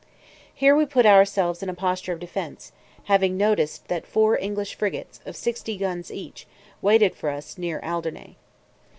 Here we put ourselves in a posture of defence, having noticed that four English frigates, of sixty guns each, waited for us near Aldernay.